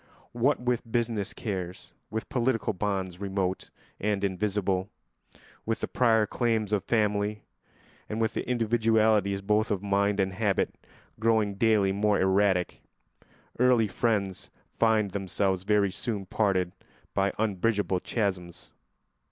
What with business cares, with political bonds remote and invisible, with the prior claims of family, and with individualities both of mind and habit growing daily more erratic, early friends find themselves very soon parted by unbridgeable chasms.